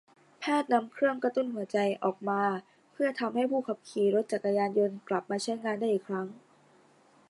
แพทย์นำเครื่องกระตุ้นหัวใจออกมาเพื่อทำให้ผู้ขับขี่รถจักรยานยนต์กลับมาใช้งานอีกครั้ง